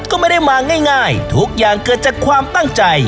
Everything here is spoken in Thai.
ก็ไม่ได้มาง่ายทุกอย่างเกิดจากความตั้งใจ